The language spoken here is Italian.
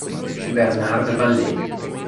Bernard Vallée